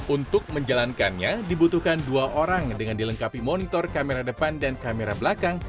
untuk menjalankannya dibutuhkan dua orang dengan dilengkapi monitor kamera depan dan kamera belakang